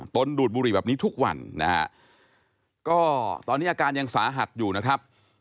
ดูดบุหรี่แบบนี้ทุกวันนะฮะก็ตอนนี้อาการยังสาหัสอยู่นะครับ